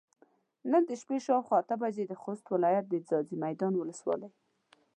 نن د شپې شاوخوا اته بجې د خوست ولايت د ځاځي ميدان ولسوالۍ